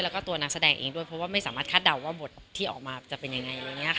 แล้วก็ตัวนักแสดงเองด้วยเพราะว่าไม่สามารถคาดเดาว่าบทที่ออกมาจะเป็นยังไงอะไรอย่างนี้ค่ะ